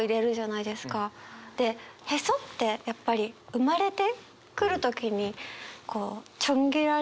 で臍ってやっぱり生まれてくる時にちょん切られる。